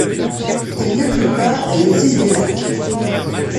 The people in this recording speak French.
Elle n'inclut pas les îles des lacs.